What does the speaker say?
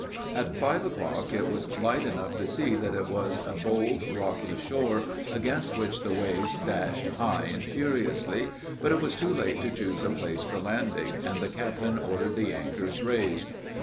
At five o'clock it was light enough to see that it was a bold rocky shore, against which the waves dashed high and furiously, but it was too late to choose a place for landing, and the captain ordered the anchors raised.